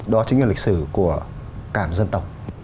đó chính là lịch sử của cả dân tộc